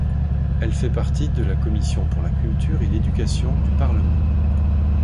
Elle fait partie de la commission pour la Culture et l'Éducation du parlement.